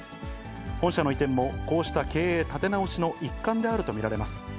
本社の移転もこうした経営立て直しの一環であると見られます。